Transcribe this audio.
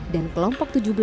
dan kelompok tujuh belas